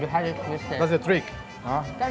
itu petualang aku tahu sekarang